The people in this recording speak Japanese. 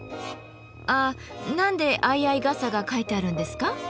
あ何で相合い傘が描いてあるんですか？